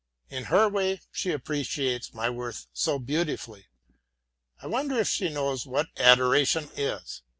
In her way she appreciates my worth so beautifully. I wonder if she knows what adoration is?